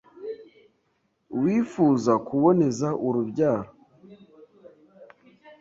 Uwifuza kuboneza urubyaro